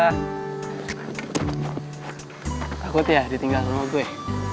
takut ya ditinggal sama gue